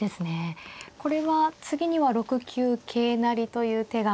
これは次には６九桂成という手が。